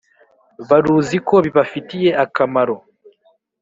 baruzi ko bibafitiye akamaro.